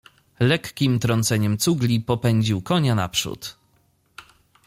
Lekkim trąceniem cugli popędził konia naprzód.